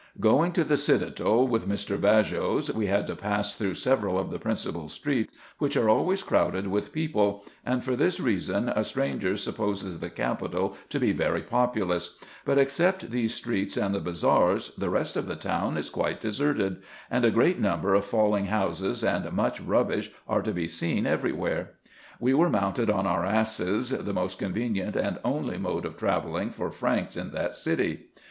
Going to the IN EGYPT, NUBIA, &c. 7 citadel with Mr. Baghos, we had to pass through several of the principal streets, which are always crowded with people, and for this reason a stranger supposes the capital to be very populous ; but except these streets and the bazars, the rest of the town is quite deserted, and a great number of falling houses and much rubbish are to be seen every where. We were mounted on our asses, the most convenient and only mode of travelling for Franks in that city.